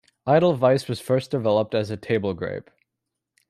Edelweiss was first developed as a table grape.